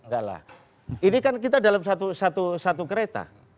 enggak lah ini kan kita dalam satu kereta